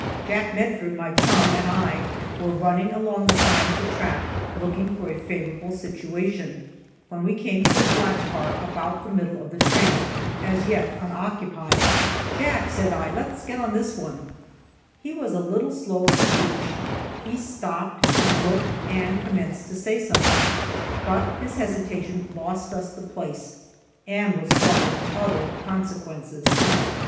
Jack Medford (my chum) and I were running along the side of the track looking for a favorable situation, when we came to a flat car about the middle of the train, as yet unoccupied. "Jack," said I, "let's get on this!" He was a little slow of speech; he stopped, looked and commenced to say something, but his hesitation lost us the place, and was fraught with other consequences.